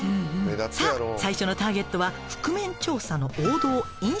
さあ最初のターゲットは覆面調査の王道飲食店に潜入。